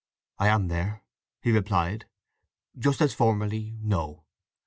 "I am there," he replied. "Just as formerly, no.